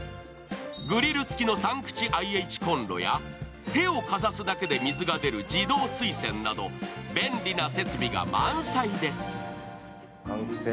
グリル付きの３口ＩＨこんろや手をかざすだけで水が出る自動水栓など便利な設備が満載です。